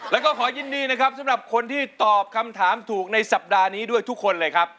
แล้วก็ขอยินดีนะครับสำหรับคนที่ตอบคำถามถูกในสัปดาห์นี้ด้วยทุกคนเลยครับ